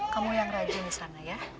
kamu yang rajin disana ya